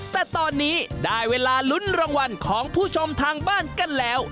แต่ตอนนี้ได้เวลาลุ้นรางวัลของผู้ชมทางบ้านกันแล้ว